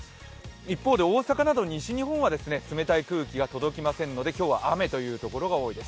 一方で大阪など西日本は冷たい空気が届きませんので今日は雨という所が多いです。